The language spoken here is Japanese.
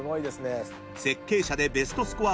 ［設計者でベストスコア保持者］